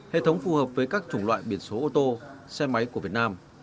hệ thống phù hợp với các chủng loại biển số ô tô xe máy của việt nam